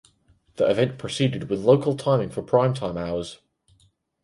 The event proceeded with local timing for prime time hours.